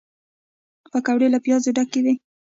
پکورې له پیازو ډکې وي